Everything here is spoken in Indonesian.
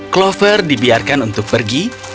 clover dibiarkan untuk pergi